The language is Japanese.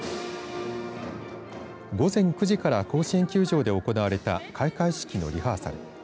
午前９時から甲子園球場で行われた開会式のリハーサル。